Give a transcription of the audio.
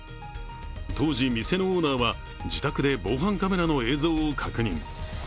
当時、店のオーナーは自宅で防犯カメラの映像を確認。